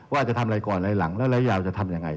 ว่าจะทำอะไรก่อนอะไรหลังแล้วรายยาวจะทำอย่างไร